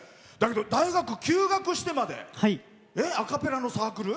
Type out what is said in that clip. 大学休学してまでアカペラのサークル？